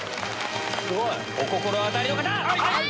すごい！お心当たりの方！